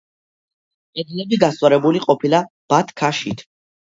კედლები გასწორებული ყოფილა ბათქაშით.